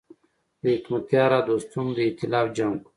د حکمتیار او دوستم د ایتلاف جنګ و.